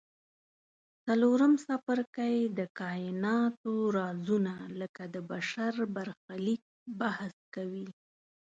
څلورم څپرکی د کایناتو رازونه لکه د بشر برخلیک بحث کوي.